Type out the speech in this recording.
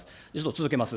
続けます。